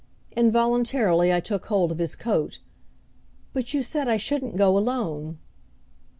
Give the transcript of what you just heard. Involuntarily I took hold of his coat, "But you said I shouldn't go alone!"